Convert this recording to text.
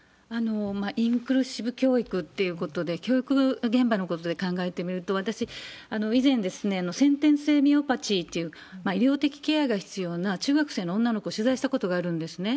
インクルーシブ教育っていうことで、教育現場のことで考えてみると、私、以前、先天性ミオパチーっていう、医療的ケアが必要な中学生の女の子、取材したことがあるんですね。